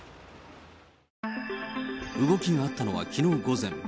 動きがあったのはきのう午前。